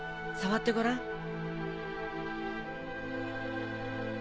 触ってごらん。